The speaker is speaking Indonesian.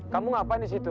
kamu ngapain disitu